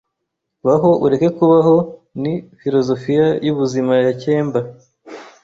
Baho ureke kubaho, ni filozofiya yubuzima ya kemba.